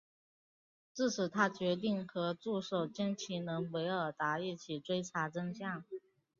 至此他决定和助手兼情人维尔达一起追查真相。